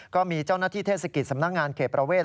ก็มีเจ้าหน้าที่เทศกิจสำนักงานเขตประเวท